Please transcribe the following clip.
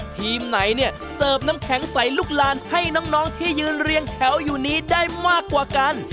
ทีมไหนเนี่ยเสิร์ฟน้ำแข็งใส่ลูกลานให้น้องที่ยืนเรียงแถวอยู่นี้ได้มากกว่ากัน